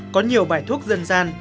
có nhiều bài thuốc dân gian